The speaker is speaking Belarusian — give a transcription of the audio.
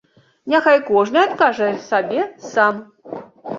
Няхай кожны адкажа сабе сам.